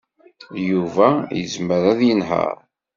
Yuba yezmer ad yenheṛ.